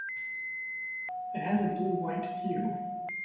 It has a blue-white hue.